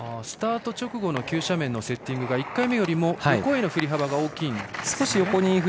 スタート直後の急斜面のセッティングが１回目よりも横への振り幅が大きいんですね。